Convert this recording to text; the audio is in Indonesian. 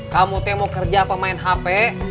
kamu mau kerja apa main hp